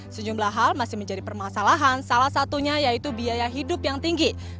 sejumlah hal masih menjadi permasalahan salah satunya yaitu biaya hidup yang tinggi